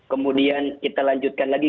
kemudian kita lanjutkan lagi